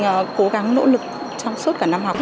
tôi sẽ cố gắng nỗ lực trong suốt cả năm học